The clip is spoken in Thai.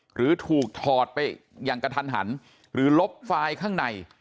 หรือถูกถอดไปอย่างกระทันหันหรือลบไฟล์ข้างใน